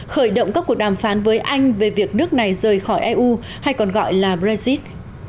khởi động các cuộc đàm phán với anh về việc nước này rời khỏi eu hay còn gọi là brexit